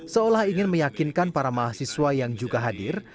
seolah ingin meyakinkan para mahasiswa yang juga hadir